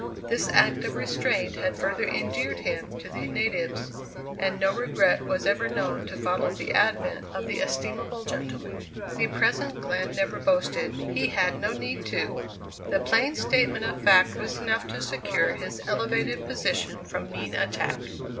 This act of restraint had further endeared him to the natives, and no regret was ever known to follow the advent of the estimable gentleman. The present Glenn never boasted; he had no need to; the plain statement of fact was enough to secure his elevated position from mean attack.